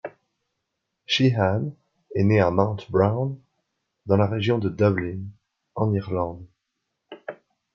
Sheehan est né à Mount Brown dans la région de Dublin en Irlande.